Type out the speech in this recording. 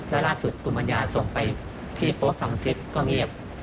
และล่าสุดกุมาญญาส่งไปที่โป๊ฟฟังซิสก็เงียบ